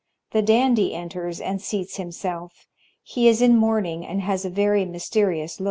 The Dandy enters and seats himself; he is in mourning and has a very mysterious look.